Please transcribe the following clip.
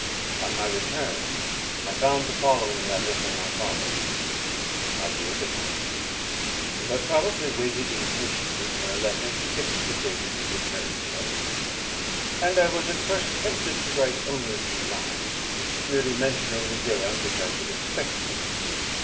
On my return, I found the following letter from my father: "My dear Victor, "You have probably waited impatiently for a letter to fix the date of your return to us; and I was at first tempted to write only a few lines, merely mentioning the day on which I should expect you.